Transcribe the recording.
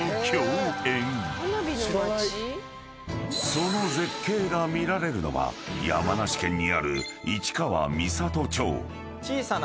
［その絶景が見られるのは山梨県にある］